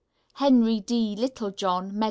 HENRY D. LITTLEJOHN, M.D.